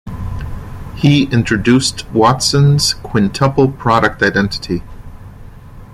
He introduced Watson's quintuple product identity.